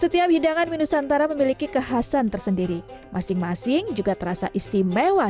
setiap hidangan minusantara memiliki kekhasan tersendiri masing masing juga terasa istimewa